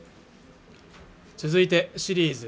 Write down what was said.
続いてシリーズ